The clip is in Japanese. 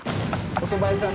おそば屋さん。